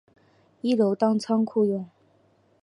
一楼当仓库用